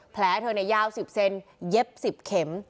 แผลเธอในยาวสิบเซนเย็บสิบเข็ม